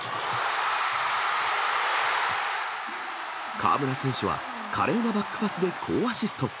河村選手は、華麗なバックパスで好アシスト。